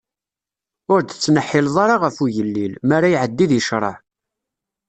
Ur d-ttneḥḥileḍ ara ɣef ugellil, mi ara iɛeddi di ccṛeɛ.